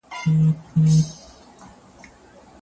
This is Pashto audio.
تاسي باید د نوي نسل لپاره د مننې نمونه اوسئ.